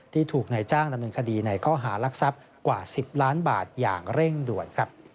ถูกนายจ้างดำเนินคดีในข้อหารักทรัพย์กว่า๑๐ล้านบาทอย่างเร่งด่วน